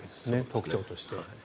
特徴として。